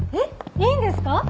いいんですか？